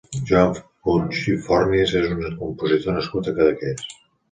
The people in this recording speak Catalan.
Joan Puig i Fornis és un compositor nascut a Cadaqués.